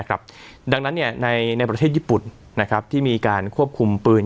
นะครับดังนั้นเนี้ยในในประเทศญี่ปุ่นนะครับที่มีการควบคุมปืน